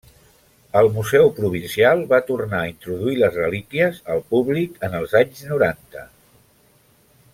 El museu provincial va tornar a introduir les relíquies al públic en els anys noranta.